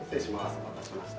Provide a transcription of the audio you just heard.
お待たせしました。